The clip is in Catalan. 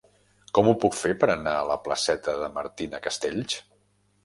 Com ho puc fer per anar a la placeta de Martina Castells?